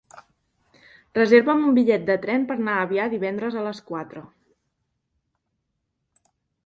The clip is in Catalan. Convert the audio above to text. Reserva'm un bitllet de tren per anar a Avià divendres a les quatre.